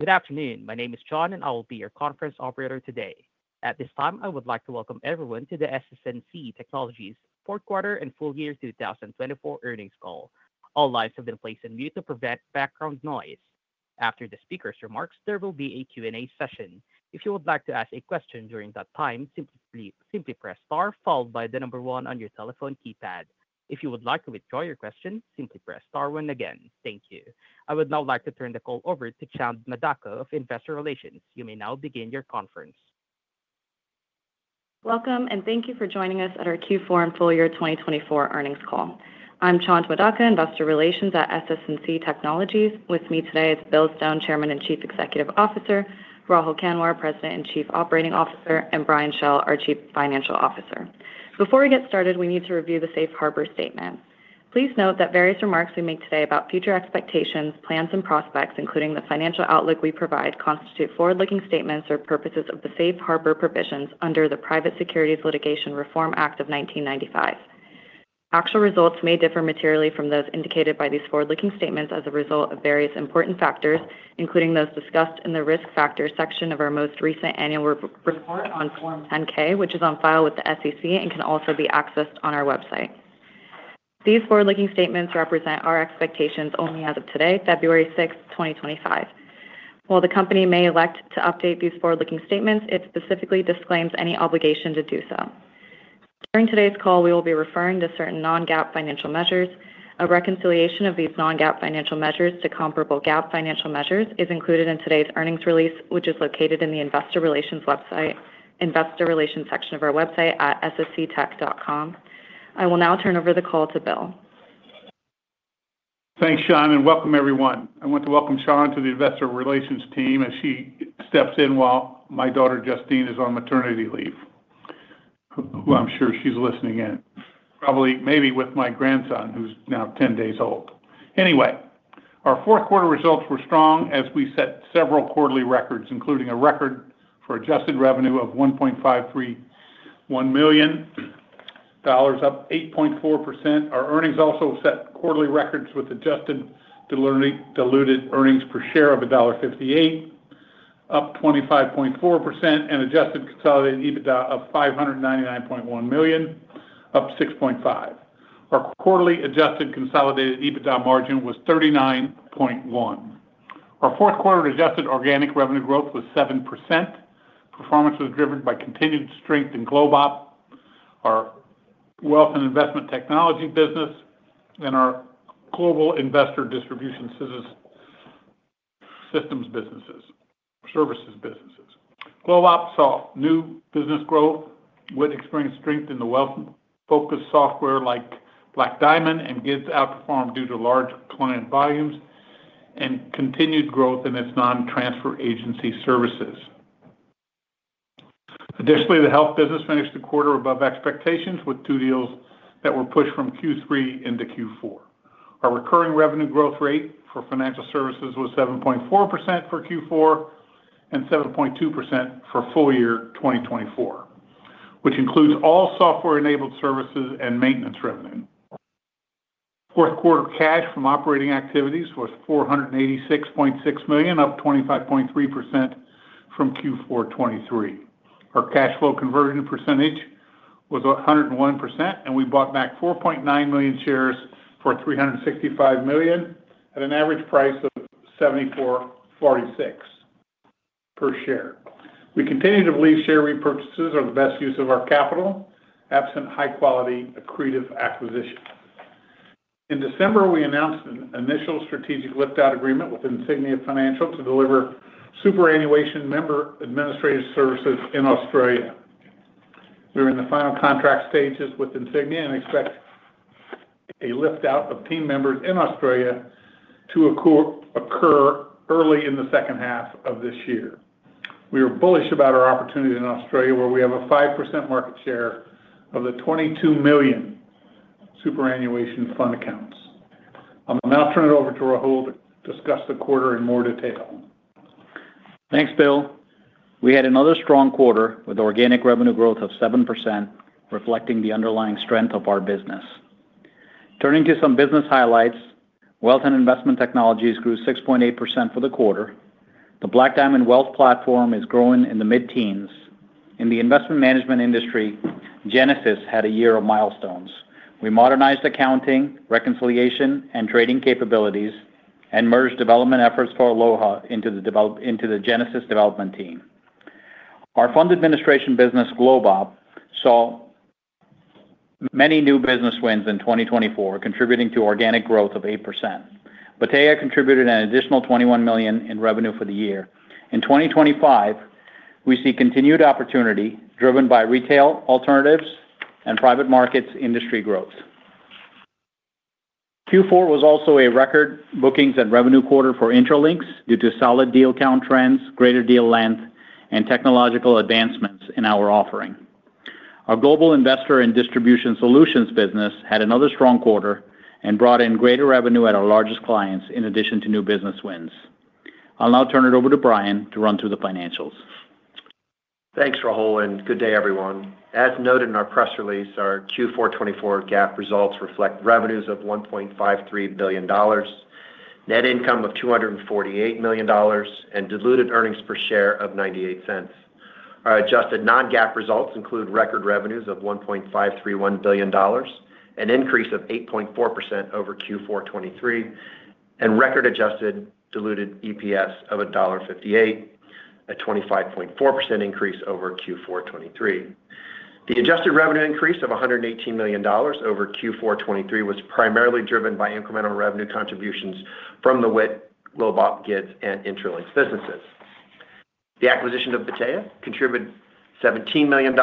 Good afternoon. My name is John, and I will be your conference operator today. At this time, I would like to welcome everyone to the SS&C Technologies' fourth quarter and full year 2024 earnings call. All lines have been placed on mute to prevent background noise. After the speaker's remarks, there will be a Q&A session. If you would like to ask a question during that time, simply press Star, followed by the number one on your telephone keypad. If you would like to withdraw your question, simply press Star one again. Thank you. I would now like to turn the call over to Chand Madaka of Investor Relations. You may now begin the conference. Welcome, and thank you for joining us at our Q4 and full year 2024 earnings call. I'm Chand Madaka, Investor Relations at SS&C Technologies. With me today is Bill Stone, Chairman and Chief Executive Officer; Rahul Kanwar, President and Chief Operating Officer; and Brian Schell, our Chief Financial Officer. Before we get started, we need to review the Safe Harbor Statement. Please note that various remarks we make today about future expectations, plans, and prospects, including the financial outlook we provide, constitute forward-looking statements or purposes of the Safe Harbor Provisions under the Private Securities Litigation Reform Act of 1995. Actual results may differ materially from those indicated by these forward-looking statements as a result of various important factors, including those discussed in the risk factors section of our most recent annual report on Form 10-K, which is on file with the SEC and can also be accessed on our website. These forward-looking statements represent our expectations only as of today, February 6, 2025. While the company may elect to update these forward-looking statements, it specifically disclaims any obligation to do so. During today's call, we will be referring to certain non-GAAP financial measures. A reconciliation of these non-GAAP financial measures to comparable GAAP financial measures is included in today's earnings release, which is located in the Investor Relations website, Investor Relations section of our website at ssctech.com. I will now turn over the call to Bill. Thanks, Chand, and welcome, everyone. I want to welcome Chand to the Investor Relations team as she steps in while my daughter, Justine, is on maternity leave, who I'm sure she's listening in, probably maybe with my grandson, who's now 10 days old. Anyway, our fourth quarter results were strong as we set several quarterly records, including a record for adjusted revenue of $1.531 million, up 8.4%. Our earnings also set quarterly records with adjusted diluted earnings per share of $1.58, up 25.4%, and adjusted consolidated EBITDA of $599.1 million, up 6.5%. Our quarterly adjusted consolidated EBITDA margin was 39.1%. Our fourth quarter adjusted organic revenue growth was 7%. Performance was driven by continued strength in GlobeOp, our Wealth and Investment Technology business, and our Global Investor and Distribution Solutions businesses. GlobeOp saw new business growth, would experience strength in the wealth-focused software like Black Diamond, and did outperform due to large client volumes and continued growth in its non-transfer agency services. Additionally, the health business finished the quarter above expectations with two deals that were pushed from Q3 into Q4. Our recurring revenue growth rate for financial services was 7.4% for Q4 and 7.2% for full year 2024, which includes all software-enabled services and maintenance revenue. Fourth quarter cash from operating activities was $486.6 million, up 25.3% from Q4 2023. Our cash flow conversion percentage was 101%, and we bought back 4.9 million shares for $365 million at an average price of $74.46 per share. We continue to believe share repurchases are the best use of our capital absent high-quality accretive acquisition. In December, we announced an initial strategic lift-out agreement with Insignia Financial to deliver superannuation member administrative services in Australia. We are in the final contract stages with Insignia and expect a lift-out of team members in Australia to occur early in the second half of this year. We are bullish about our opportunity in Australia, where we have a 5% market share of the 22 million superannuation fund accounts. I'll now turn it over to Rahul to discuss the quarter in more detail. Thanks, Bill. We had another strong quarter with organic revenue growth of 7%, reflecting the underlying strength of our business. Turning to some business highlights, Wealth and Investment Technologies grew 6.8% for the quarter. The Black Diamond Wealth Platform is growing in the mid-teens. In the investment management industry, Genesis had a year of milestones. We modernized accounting, reconciliation, and trading capabilities, and merged development efforts for Aloha into the Genesis development team. Our fund administration business, GlobeOp, saw many new business wins in 2024, contributing to organic growth of 8%. Battea contributed an additional $21 million in revenue for the year. In 2025, we see continued opportunity driven by retail alternatives and private markets industry growth. Q4 was also a record bookings and revenue quarter for Intralinks due to solid deal count trends, greater deal length, and technological advancements in our offering. Our Global Investor and Distribution Solutions business had another strong quarter and brought in greater revenue at our largest clients in addition to new business wins. I'll now turn it over to Brian to run through the financials. Thanks, Rahul, and good day, everyone. As noted in our press release, our Q4 2024 GAAP results reflect revenues of $1.53 billion, net income of $248 million, and diluted earnings per share of $0.98. Our adjusted non-GAAP results include record revenues of $1.531 billion, an increase of 8.4% over Q4 2023, and record adjusted diluted EPS of $1.58, a 25.4% increase over Q4 2023. The adjusted revenue increase of $118 million over Q4 2023 was primarily driven by incremental revenue contributions from the WIT, GlobeOp, GIDS, and Intralinks businesses. The acquisition of Battea contributed $17 million,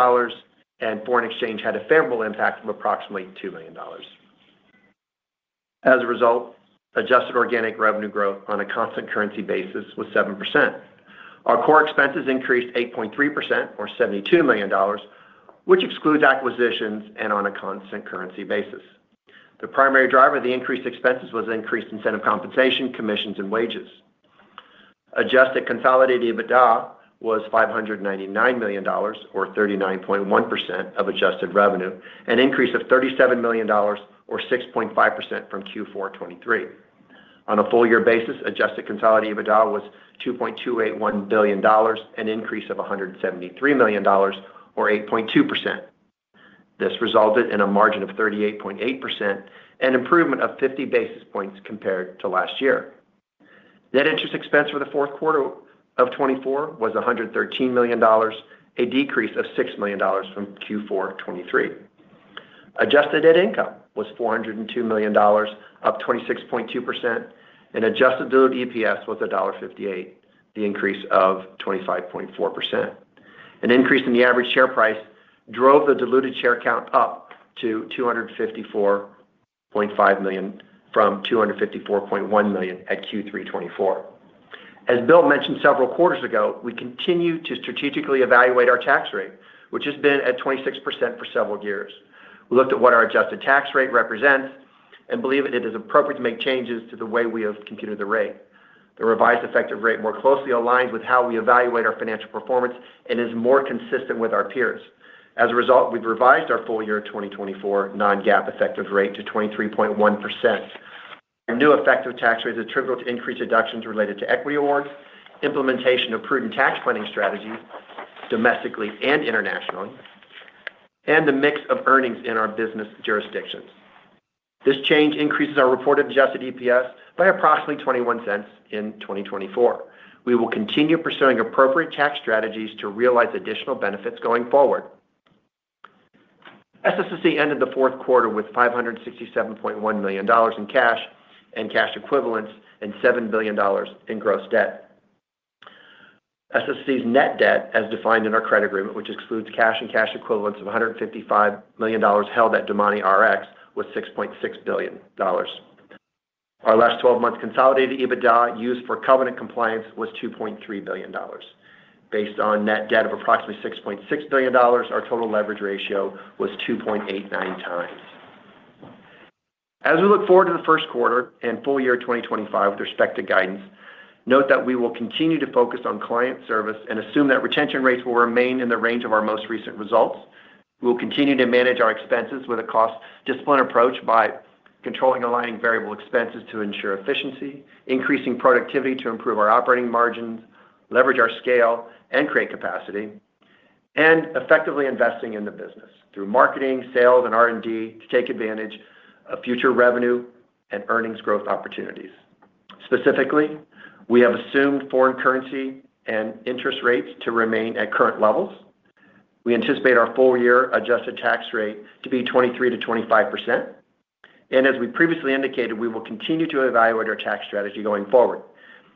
and foreign exchange had a favorable impact of approximately $2 million. As a result, adjusted organic revenue growth on a constant currency basis was 7%. Our core expenses increased 8.3%, or $72 million, which excludes acquisitions and on a constant currency basis. The primary driver of the increased expenses was increased incentive compensation, commissions, and wages. Adjusted consolidated EBITDA was $599 million, or 39.1% of adjusted revenue, an increase of $37 million, or 6.5% from Q4 2023. On a full year basis, adjusted consolidated EBITDA was $2.281 billion, an increase of $173 million, or 8.2%. This resulted in a margin of 38.8% and improvement of 50 basis points compared to last year. Net interest expense for the fourth quarter of 2024 was $113 million, a decrease of $6 million from Q4 2023. Adjusted net income was $402 million, up 26.2%, and adjusted diluted EPS was $1.58, the increase of 25.4%. An increase in the average share price drove the diluted share count up to 254.5 million from 254.1 million at Q3 2024. As Bill mentioned several quarters ago, we continue to strategically evaluate our tax rate, which has been at 26% for several years. We looked at what our adjusted tax rate represents and believe it is appropriate to make changes to the way we have computed the rate. The revised effective rate more closely aligns with how we evaluate our financial performance and is more consistent with our peers. As a result, we've revised our full year 2024 Non-GAAP effective rate to 23.1%. Our new effective tax rate is attributable to increased deductions related to equity awards, implementation of prudent tax planning strategies domestically and internationally, and the mix of earnings in our business jurisdictions. This change increases our reported adjusted EPS by approximately $0.21 in 2024. We will continue pursuing appropriate tax strategies to realize additional benefits going forward. SS&C ended the fourth quarter with $567.1 million in cash and cash equivalents and $7 billion in gross debt. SS&C's net debt, as defined in our credit agreement, which excludes cash and cash equivalents of $155 million held at DomaniRx, was $6.6 billion. Our last 12 months' consolidated EBITDA used for covenant compliance was $2.3 billion. Based on net debt of approximately $6.6 billion, our total leverage ratio was 2.89 times. As we look forward to the first quarter and full year 2025 with respect to guidance, note that we will continue to focus on client service and assume that retention rates will remain in the range of our most recent results. We will continue to manage our expenses with a cost discipline approach by controlling and aligning variable expenses to ensure efficiency, increasing productivity to improve our operating margins, leverage our scale, and create capacity, and effectively investing in the business through marketing, sales, and R&D to take advantage of future revenue and earnings growth opportunities. Specifically, we have assumed foreign currency and interest rates to remain at current levels. We anticipate our full year adjusted tax rate to be 23%-25%. And as we previously indicated, we will continue to evaluate our tax strategy going forward.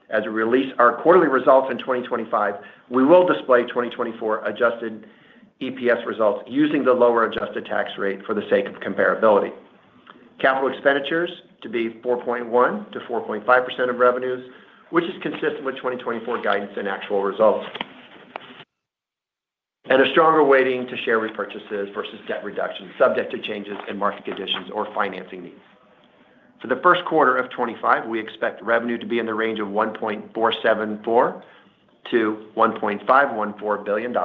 As we release our quarterly results in 2025, we will display 2024 adjusted EPS results using the lower adjusted tax rate for the sake of comparability. Capital expenditures to be 4.1%-4.5% of revenues, which is consistent with 2024 guidance and actual results. A stronger weighting to share repurchases versus debt reduction subject to changes in market conditions or financing needs. For the first quarter of 2025, we expect revenue to be in the range of $1.474-$1.514 billion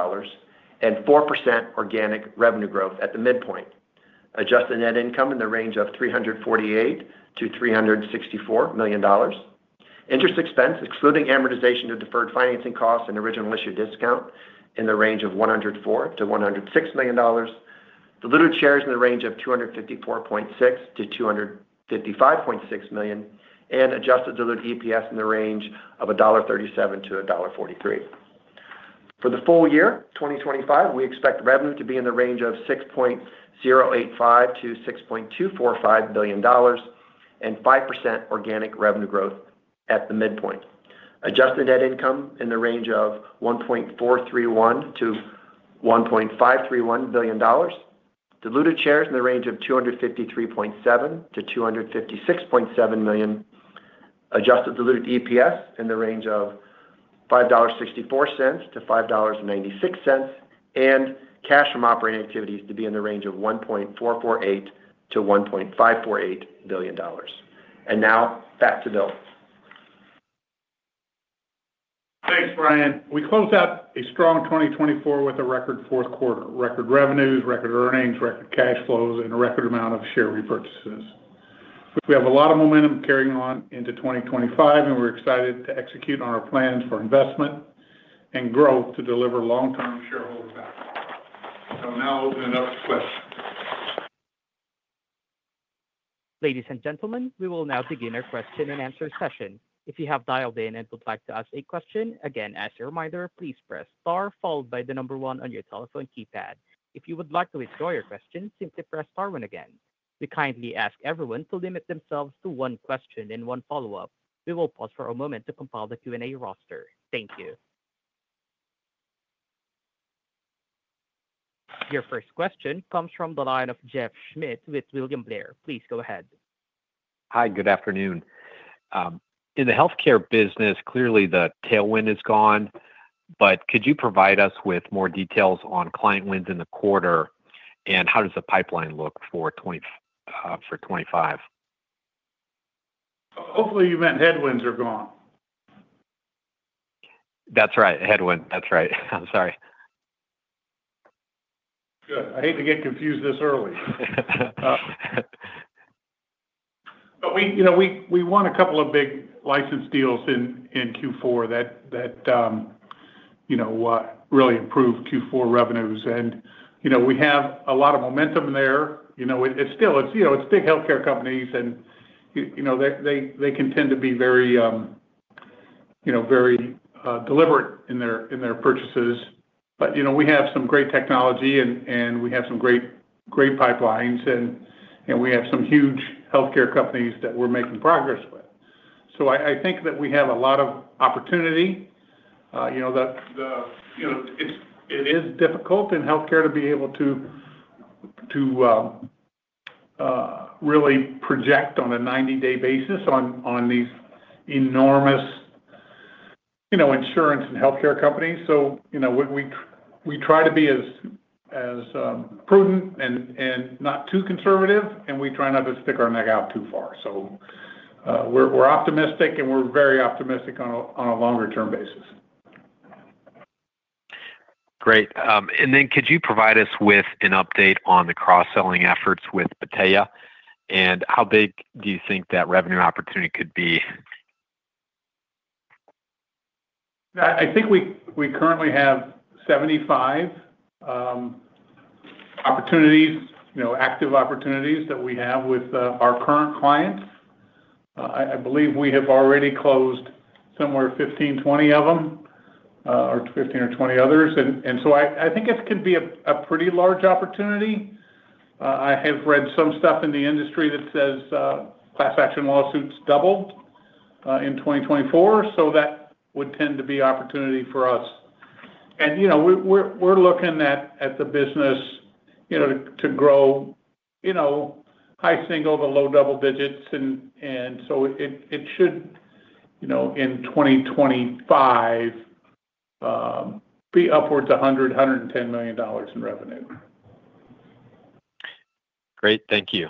and 4% organic revenue growth at the midpoint. Adjusted net income in the range of $348-$364 million. Interest expense, excluding amortization of deferred financing costs and original issue discount, in the range of $104-$106 million. Diluted shares in the range of 254.6-255.6 million and adjusted diluted EPS in the range of $1.37-$1.43. For the full year 2025, we expect revenue to be in the range of $6.085-$6.245 billion and 5% organic revenue growth at the midpoint. Adjusted net income in the range of $1.431-$1.531 billion. Diluted shares in the range of 253.7-256.7 million. Adjusted Diluted EPS in the range of $5.64-$5.96 and cash from operating activities to be in the range of $1.448-$1.548 billion. And now back to Bill. Thanks, Brian. We close out a strong 2024 with a record fourth quarter: record revenues, record earnings, record cash flows, and a record amount of share repurchases. We have a lot of momentum carrying on into 2025, and we're excited to execute on our plans for investment and growth to deliver long-term shareholder value. So now open it up to questions. Ladies and gentlemen, we will now begin our question and answer session. If you have dialed in and would like to ask a question, again, as a reminder, please press star followed by the number one on your telephone keypad. If you would like to withdraw your question, simply press star one again. We kindly ask everyone to limit themselves to one question and one follow-up. We will pause for a moment to compile the Q&A roster. Thank you. Your first question comes from the line of Jeff Schmitt with William Blair. Please go ahead. Hi, good afternoon. In the healthcare business, clearly the tailwind is gone, but could you provide us with more details on client wins in the quarter and how does the pipeline look for 2025? Hopefully, you meant headwinds are gone. That's right. Headwind, that's right. I'm sorry. Good. I hate to get confused this early. But we won a couple of big license deals in Q4 that really improved Q4 revenues. And we have a lot of momentum there. It's big healthcare companies, and they can tend to be very deliberate in their purchases. But we have some great technology, and we have some great pipelines, and we have some huge healthcare companies that we're making progress with. So I think that we have a lot of opportunity. It is difficult in healthcare to be able to really project on a 90-day basis on these enormous insurance and healthcare companies. So we try to be as prudent and not too conservative, and we try not to stick our neck out too far. So we're optimistic, and we're very optimistic on a longer-term basis. Great. And then could you provide us with an update on the cross-selling efforts with Battea, and how big do you think that revenue opportunity could be? I think we currently have 75 active opportunities that we have with our current clients. I believe we have already closed somewhere 15-20 of them, or 15 or 20 others. And so I think it could be a pretty large opportunity. I have read some stuff in the industry that says class action lawsuits doubled in 2024, so that would tend to be an opportunity for us. And we're looking at the business to grow high single to low double digits. And so it should, in 2025, be upwards of $100-$110 million in revenue. Great. Thank you.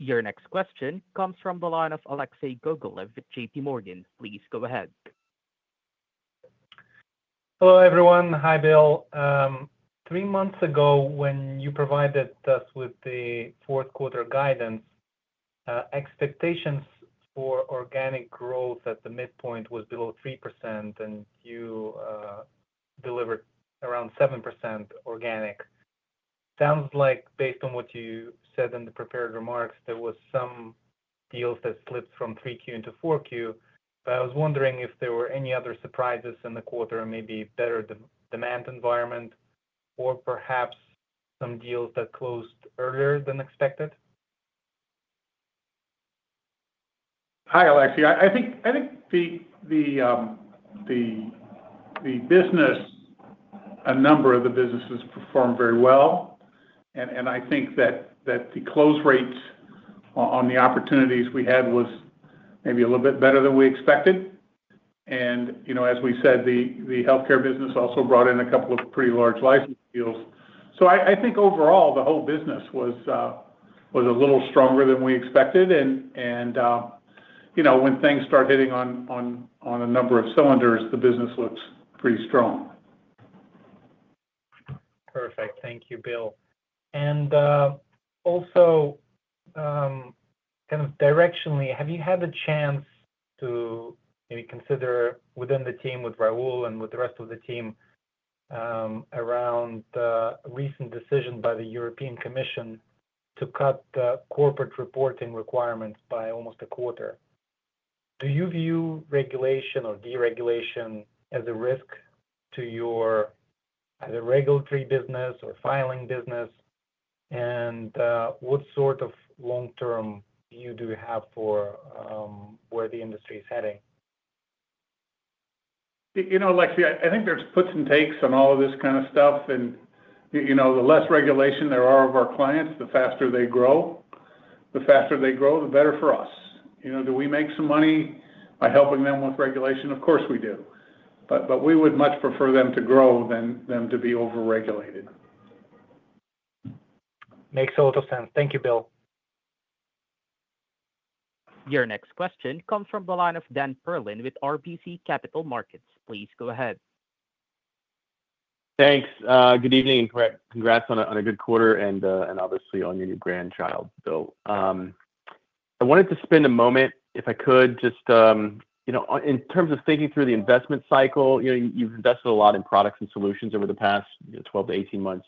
Your next question comes from the line of Alexei Gogolev with J.P. Morgan. Please go ahead. Hello, everyone. Hi, Bill. Three months ago, when you provided us with the fourth quarter guidance, expectations for organic growth at the midpoint was below 3%, and you delivered around 7% organic. Sounds like, based on what you said in the prepared remarks, there were some deals that slipped from 3Q into 4Q. But I was wondering if there were any other surprises in the quarter, maybe better demand environment, or perhaps some deals that closed earlier than expected? Hi, Alexei. I think the business, a number of the businesses performed very well, and I think that the close rates on the opportunities we had was maybe a little bit better than we expected, and as we said, the healthcare business also brought in a couple of pretty large license deals, so I think overall, the whole business was a little stronger than we expected, and when things start hitting on a number of cylinders, the business looks pretty strong. Perfect. Thank you, Bill. And also, kind of directionally, have you had a chance to maybe consider within the team with Rahul and with the rest of the team around a recent decision by the European Commission to cut the corporate reporting requirements by almost a quarter? Do you view regulation or deregulation as a risk to your either regulatory business or filing business? And what sort of long-term view do you have for where the industry is heading? Alexei, I think there's puts and takes on all of this kind of stuff, and the less regulation there are of our clients, the faster they grow. The faster they grow, the better for us. Do we make some money by helping them with regulation? Of course we do, but we would much prefer them to grow than to be over-regulated. Makes a lot of sense. Thank you, Bill. Your next question comes from the line of Dan Perlin with RBC Capital Markets. Please go ahead. Thanks. Good evening and congrats on a good quarter, and obviously on your new grandchild, Bill. I wanted to spend a moment, if I could, just in terms of thinking through the investment cycle. You've invested a lot in products and solutions over the past 12 to 18 months.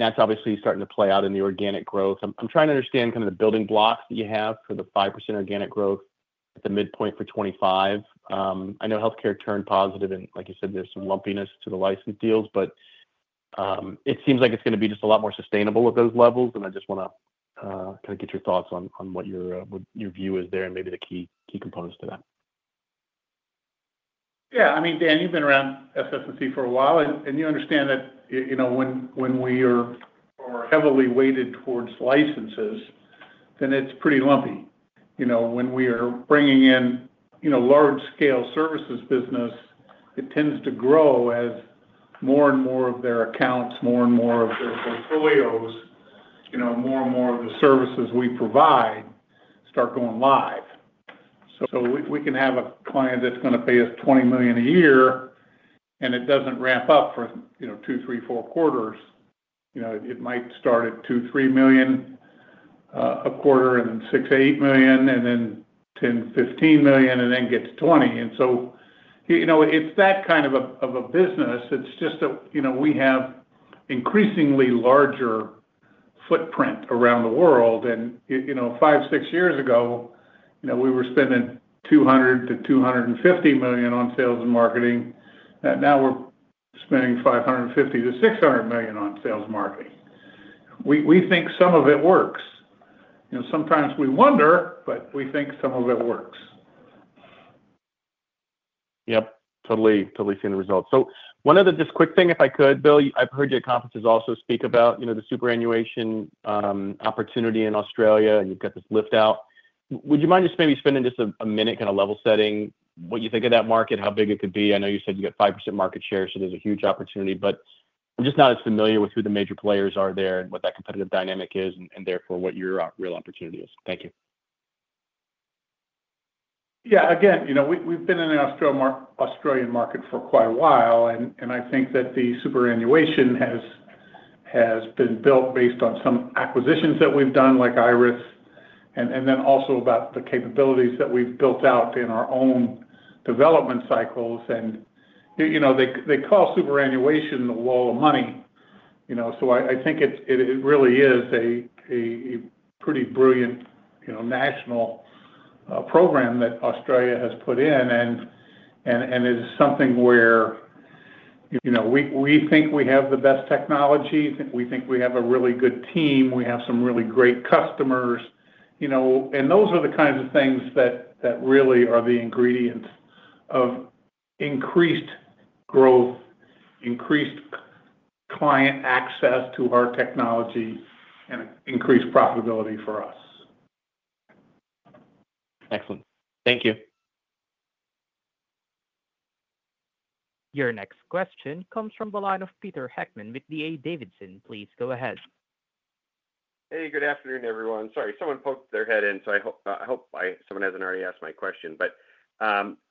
That's obviously starting to play out in the organic growth. I'm trying to understand kind of the building blocks that you have for the 5% organic growth at the midpoint for 2025. I know healthcare turned positive, and like you said, there's some lumpiness to the license deals, but it seems like it's going to be just a lot more sustainable at those levels. I just want to kind of get your thoughts on what your view is there and maybe the key components to that. Yeah. I mean, Dan, you've been around SS&C for a while, and you understand that when we are heavily weighted towards licenses, then it's pretty lumpy. When we are bringing in large-scale services business, it tends to grow as more and more of their accounts, more and more of their portfolios, more and more of the services we provide start going live. So we can have a client that's going to pay us $20 million a year, and it doesn't ramp up for two, three, four quarters. It might start at $2-$3 million a quarter, and then $6-$8 million, and then $10-$15 million, and then get to $20 million. And so it's that kind of a business. It's just that we have increasingly larger footprint around the world. And five, six years ago, we were spending $200-$250 million on sales and marketing. Now we're spending $550 million-$600 million on sales and marketing. We think some of it works. Sometimes we wonder, but we think some of it works. Yep. Totally seeing the results. So one other just quick thing, if I could, Bill, I've heard you at conferences also speak about the superannuation opportunity in Australia, and you've got this lift-out. Would you mind just maybe spending just a minute kind of level-setting what you think of that market, how big it could be? I know you said you got 5% market share, so there's a huge opportunity, but I'm just not as familiar with who the major players are there and what that competitive dynamic is, and therefore what your real opportunity is. Thank you. Yeah. Again, we've been in the Australian market for quite a while, and I think that the superannuation has been built based on some acquisitions that we've done, like Iress, and then also about the capabilities that we've built out in our own development cycles, and they call superannuation the wall of money, so I think it really is a pretty brilliant national program that Australia has put in, and it is something where we think we have the best technology. We think we have a really good team. We have some really great customers, and those are the kinds of things that really are the ingredients of increased growth, increased client access to our technology, and increased profitability for us. Excellent. Thank you. Your next question comes from the line of Peter Heckmann with D.A. Davidson. Please go ahead. Hey, good afternoon, everyone. Sorry, someone poked their head in, so I hope someone hasn't already asked my question, but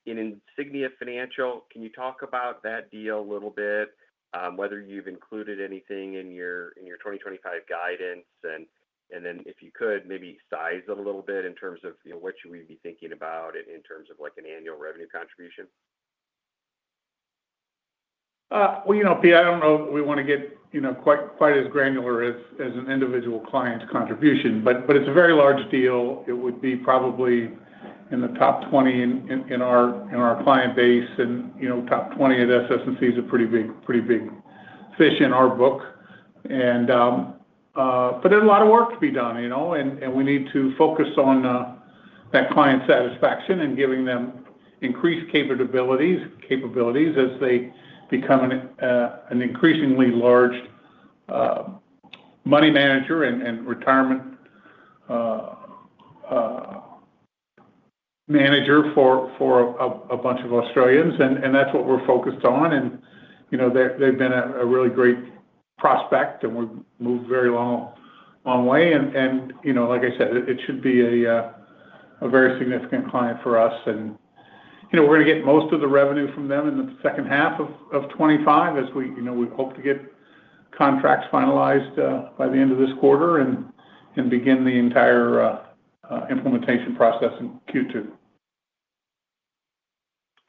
in Insignia Financial, can you talk about that deal a little bit, whether you've included anything in your 2025 guidance, and then if you could, maybe size it a little bit in terms of what should we be thinking about in terms of an annual revenue contribution? Peter, I don't know if we want to get quite as granular as an individual client contribution, but it's a very large deal. It would be probably in the top 20 in our client base, and top 20 at SS&C is a pretty big fish in our book. But there's a lot of work to be done, and we need to focus on that client satisfaction and giving them increased capabilities as they become an increasingly large money manager and retirement manager for a bunch of Australians. That's what we're focused on, and they've been a really great prospect, and we've moved very long way. Like I said, it should be a very significant client for us. We're going to get most of the revenue from them in the second half of 2025, as we hope to get contracts finalized by the end of this quarter and begin the entire implementation process in Q2.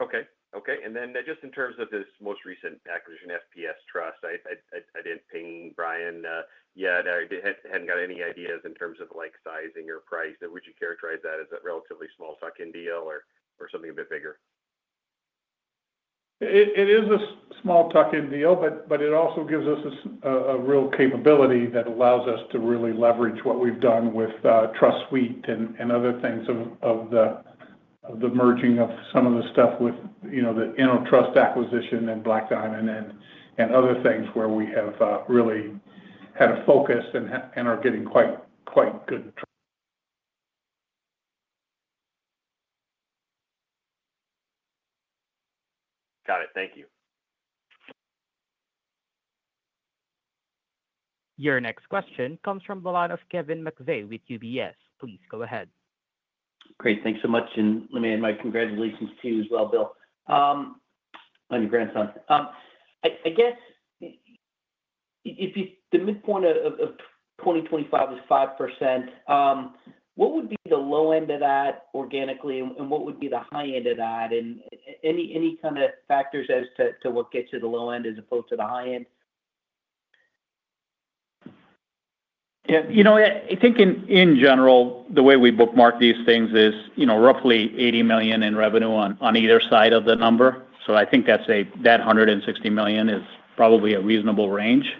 Okay. Okay. And then just in terms of this most recent acquisition, FPS Trust, I didn't ping Brian yet. I hadn't got any ideas in terms of sizing or price. Would you characterize that as a relatively small-tuck-in deal or something a bit bigger? It is a small tuck-in deal, but it also gives us a real capability that allows us to really leverage what we've done with Trust Suite and other things of the merging of some of the stuff with the InnoTrust acquisition and Black Diamond and other things where we have really had a focus and are getting quite good. Got it. Thank you. Your next question comes from the line of Kevin McVeigh with UBS. Please go ahead. Great. Thanks so much. And let me add my congratulations to you as well, Bill. My question. I guess if the midpoint of 2025 is 5%, what would be the low end of that organically, and what would be the high end of that? And any kind of factors as to what gets you to the low end as opposed to the high end? Yeah. I think in general, the way we bookmark these things is roughly $80 million in revenue on either side of the number. So I think that $160 million is probably a reasonable range.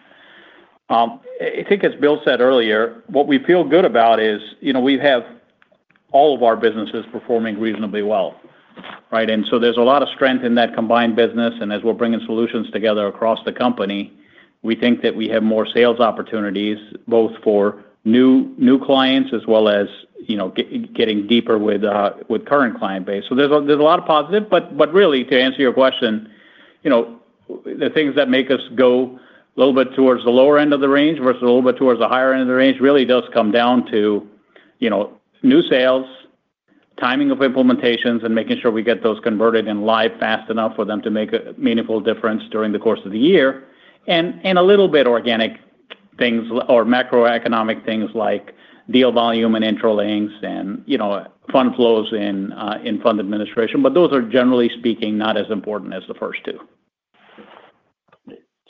I think, as Bill said earlier, what we feel good about is we have all of our businesses performing reasonably well. Right? And so there's a lot of strength in that combined business. And as we're bringing solutions together across the company, we think that we have more sales opportunities, both for new clients as well as getting deeper with current client base. So there's a lot of positive. But really, to answer your question, the things that make us go a little bit towards the lower end of the range versus a little bit towards the higher end of the range really does come down to new sales, timing of implementations, and making sure we get those converted in live fast enough for them to make a meaningful difference during the course of the year, and a little bit organic things or macroeconomic things like deal volume and Intralinks and fund flows in fund administration, but those are, generally speaking, not as important as the first two.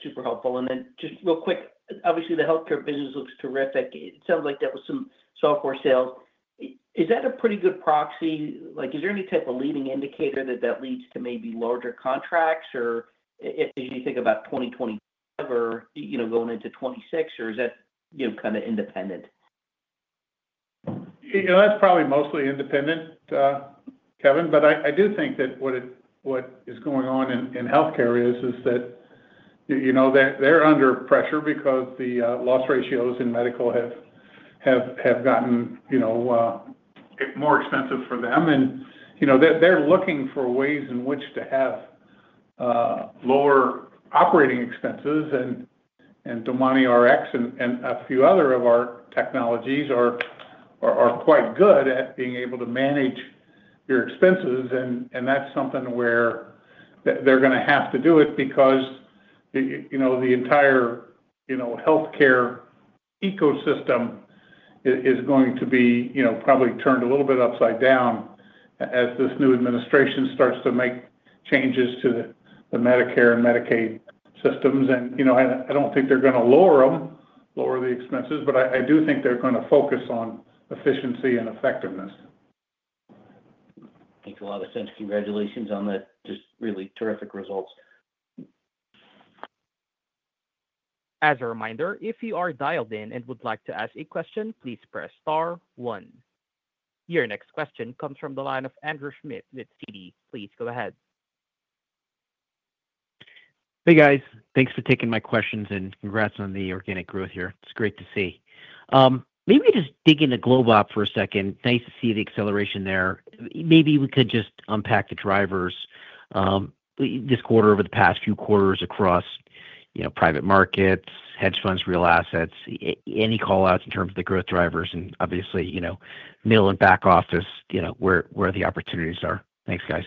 Super helpful. And then just real quick, obviously, the healthcare business looks terrific. It sounds like there was some software sales. Is that a pretty good proxy? Is there any type of leading indicator that that leads to maybe larger contracts? Or do you think about 2025 or going into 2026? Or is that kind of independent? That's probably mostly independent, Kevin. But I do think that what is going on in healthcare is that they're under pressure because the loss ratios in medical have gotten more expensive for them. And they're looking for ways in which to have lower operating expenses. And DomaniRx and a few other of our technologies are quite good at being able to manage your expenses. And that's something where they're going to have to do it because the entire healthcare ecosystem is going to be probably turned a little bit upside down as this new administration starts to make changes to the Medicare and Medicaid systems. And I don't think they're going to lower them, lower the expenses, but I do think they're going to focus on efficiency and effectiveness. Makes a lot of sense. Congratulations on the just really terrific results. As a reminder, if you are dialed in and would like to ask a question, please press star one. Your next question comes from the line of Andrew Schmidt with Citi. Please go ahead. Hey, guys. Thanks for taking my questions, and congrats on the organic growth here. It's great to see. Maybe just dig into GlobeOp for a second. Nice to see the acceleration there. Maybe we could just unpack the drivers this quarter over the past few quarters across private markets, hedge funds, real assets, any callouts in terms of the growth drivers, and obviously middle and back office where the opportunities are. Thanks, guys.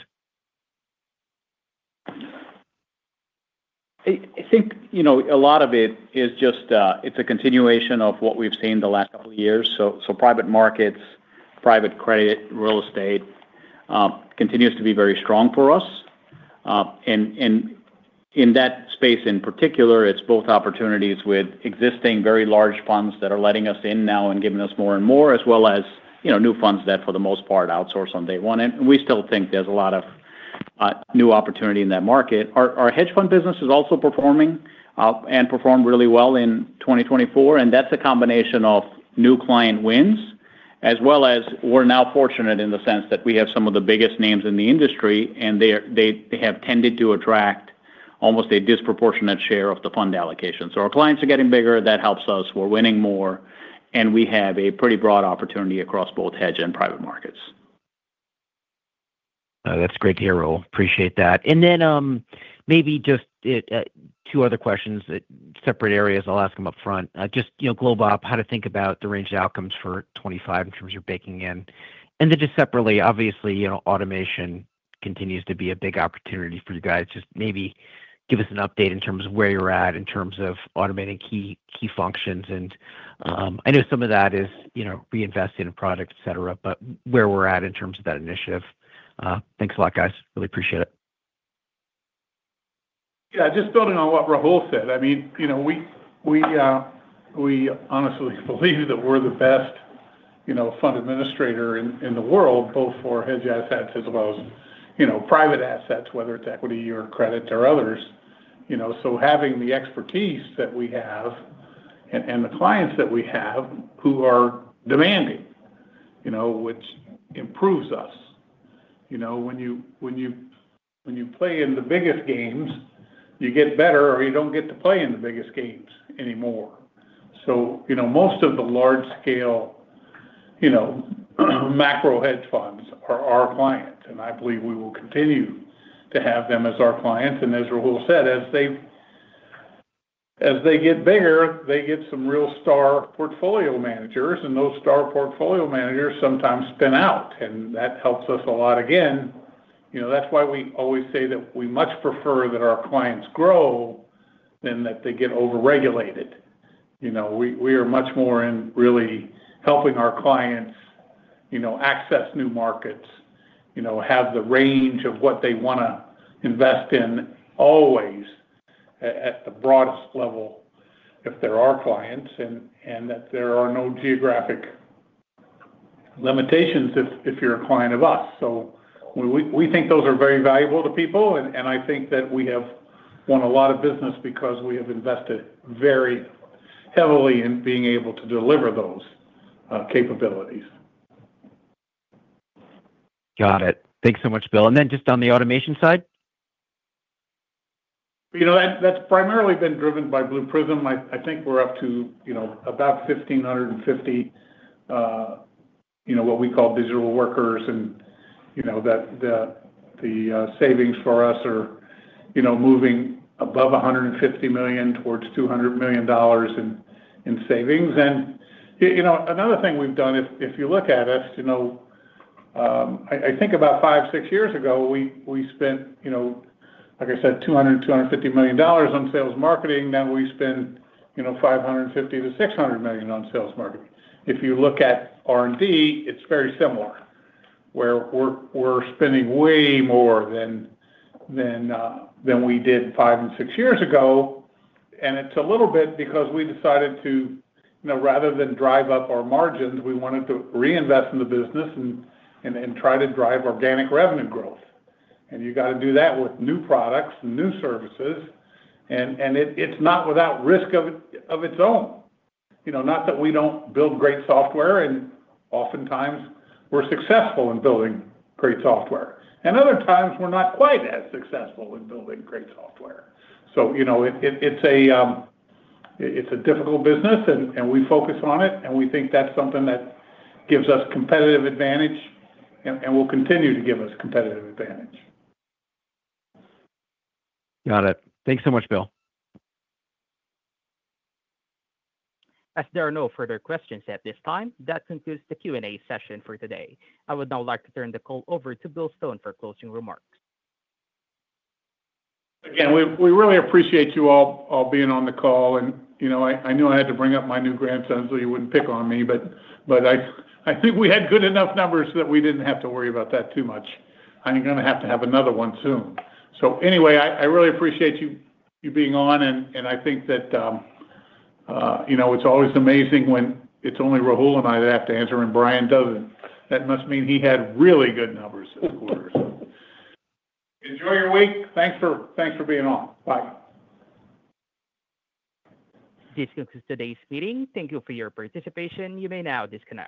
I think a lot of it is just it's a continuation of what we've seen the last couple of years. So private markets, private credit, real estate continues to be very strong for us. And in that space in particular, it's both opportunities with existing very large funds that are letting us in now and giving us more and more, as well as new funds that for the most part outsource on day one. And we still think there's a lot of new opportunity in that market. Our hedge fund business is also performing and performed really well in 2024. And that's a combination of new client wins, as well as we're now fortunate in the sense that we have some of the biggest names in the industry, and they have tended to attract almost a disproportionate share of the fund allocation. So our clients are getting bigger. That helps us. We're winning more and we have a pretty broad opportunity across both hedge and private markets. That's great to hear. Appreciate that. And then maybe just two other questions, separate areas. I'll ask them upfront. Just GlobeOp, how to think about the range of outcomes for 2025 in terms of your baking in. And then just separately, obviously, automation continues to be a big opportunity for you guys. Just maybe give us an update in terms of where you're at in terms of automating key functions. And I know some of that is reinvesting in products, etc., but where we're at in terms of that initiative. Thanks a lot, guys. Really appreciate it. Yeah. Just building on what Rahul said, I mean, we honestly believe that we're the best fund administrator in the world, both for hedge assets as well as private assets, whether it's equity or credit or others. So having the expertise that we have and the clients that we have who are demanding, which improves us. When you play in the biggest games, you get better, or you don't get to play in the biggest games anymore. So most of the large-scale macro hedge funds are our clients. And I believe we will continue to have them as our clients. And as Rahul said, as they get bigger, they get some real star portfolio managers. And those star portfolio managers sometimes spin out. And that helps us a lot. Again, that's why we always say that we much prefer that our clients grow than that they get over-regulated. We are much more in really helping our clients access new markets, have the range of what they want to invest in always at the broadest level if they're our clients, and that there are no geographic limitations if you're a client of us, so we think those are very valuable to people, and I think that we have won a lot of business because we have invested very heavily in being able to deliver those capabilities. Got it. Thanks so much, Bill. And then just on the automation side? That's primarily been driven by Blue Prism. I think we're up to about 1,550 what we call digital workers. And the savings for us are moving above $150 million towards $200 million in savings. And another thing we've done, if you look at us, I think about five, six years ago, we spent, like I said, $200-$250 million on sales marketing. Now we spend $550-$600 million on sales marketing. If you look at R&D, it's very similar, where we're spending way more than we did five and six years ago. And it's a little bit because we decided to, rather than drive up our margins, we wanted to reinvest in the business and try to drive organic revenue growth. And you got to do that with new products and new services. And it's not without risk of its own. Not that we don't build great software, and oftentimes we're successful in building great software. And other times, we're not quite as successful in building great software. So it's a difficult business, and we focus on it. And we think that's something that gives us competitive advantage and will continue to give us competitive advantage. Got it. Thanks so much, Bill. As there are no further questions at this time, that concludes the Q&A session for today. I would now like to turn the call over to Bill Stone for closing remarks. Again, we really appreciate you all being on the call, and I knew I had to bring up my new grandson so you wouldn't pick on me, but I think we had good enough numbers that we didn't have to worry about that too much. I'm going to have to have another one soon, so anyway, I really appreciate you being on, and I think that it's always amazing when it's only Rahul and I that have to answer and Brian doesn't. That must mean he had really good numbers this quarter. Enjoy your week. Thanks for being on. Bye. This concludes today's meeting. Thank you for your participation. You may now disconnect.